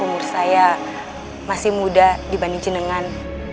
umur saya masih muda dibanding jenengan